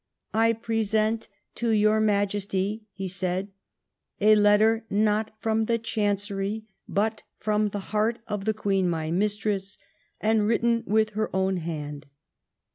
' I present to your Majesty,' he said, ' a letter not from the Chancery, but from the heart of the queen my mistress, and written with her own hand.